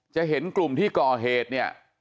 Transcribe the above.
จะเห็นกลุ่มที่ก่อเหตุเนี่ย